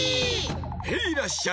ヘイらっしゃい！